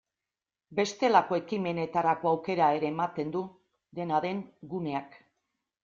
Bestelako ekimenetarako aukera ere ematen du, dena den, guneak.